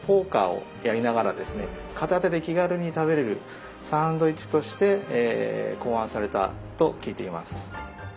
片手で気軽に食べれるサンドイッチとして考案されたと聞いています。